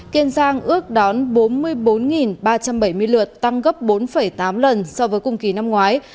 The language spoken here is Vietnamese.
kiên giang ước đón bốn mươi bốn ba trăm bảy mươi lượt tăng gấp bốn tám lần so với cùng kỳ năm ngoái